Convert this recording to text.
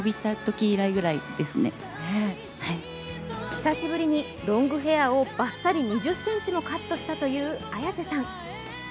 久しぶりにロングヘアをばっさり２０ｃｍもカットしたという綾瀬さん。